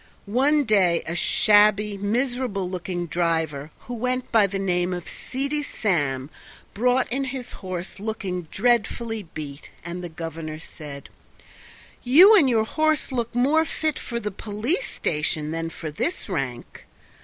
One day a shabby, miserable looking driver, who went by the name of "Seedy Sam", brought in his horse looking dreadfully beat, and the governor said: "You and your horse look more fit for the police station than for this rank."